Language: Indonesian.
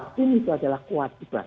vaksin itu adalah kewajiban